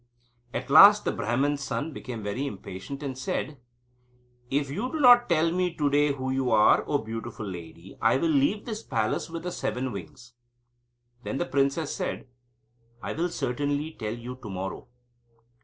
At last the Brahman's son became very impatient, and said: "If you do not tell me to day who you are, O beautiful lady, I will leave this palace with the seven wings." Then the princess said: "I will certainly tell you to morrow."